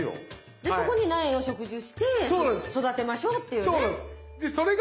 でそこに苗を植樹して育てましょうっていうね。